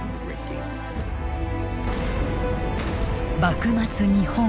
幕末日本。